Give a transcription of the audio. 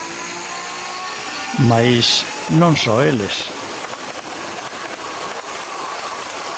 Mais non só eles.